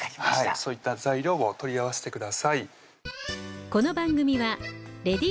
そういった材料を取り合わせてください